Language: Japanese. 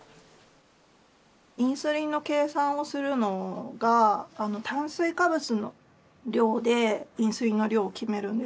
インスリンの計算をするのが炭水化物の量でインスリンの量を決めるんです。